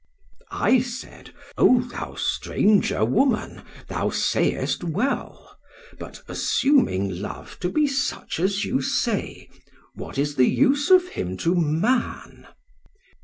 "I said: 'O thou stranger woman, thou sayest well; but, assuming Love to be such as you say, what is the use of him to man?'